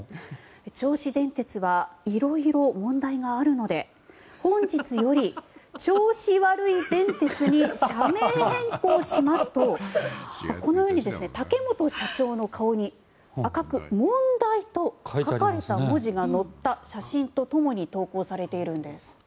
銚子電鉄は色々問題があるので本日よりちょうし悪い電鉄に社名変更しますとこのように竹本社長の顔に赤く、問題と書かれた文字が載った写真とともに投稿されているんです。